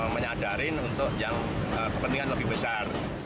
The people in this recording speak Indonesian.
menyadarin untuk yang kepentingan lebih besar